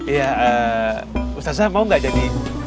ya ustazah mau gak jadi